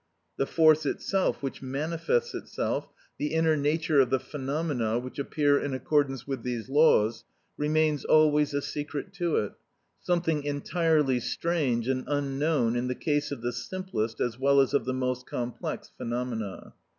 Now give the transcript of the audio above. The force itself which manifests itself, the inner nature of the phenomena which appear in accordance with these laws, remains always a secret to it, something entirely strange and unknown in the case of the simplest as well as of the most complex phenomena.